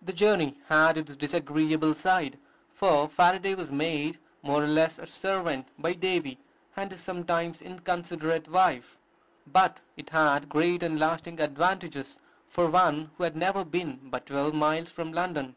The journey had its disagreeable side; for Faraday was made more or less a servant by Davy and his sometimes inconsiderate wife; but it had great and lasting advantages for one who had never been but twelve miles from London.